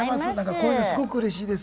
こういうのすごくうれしいです。